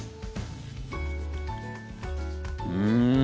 うん！